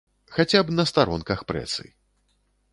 Хаця б на старонках прэсы.